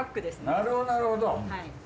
なるほどなるほど。